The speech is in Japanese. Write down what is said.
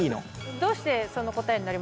どうしてその答えになりました？